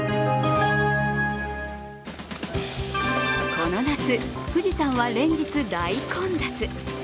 この夏、富士山は連日大混雑。